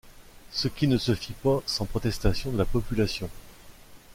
Ce qui ne se fit pas sans protestation de la population.